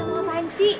mau ngapain sih